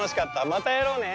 またやろうね！